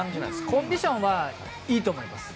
コンディションはいいと思います。